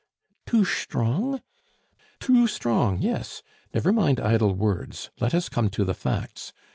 "Too shtrong?" "Too strong, yes. Never mind idle words. Let us come to the facts.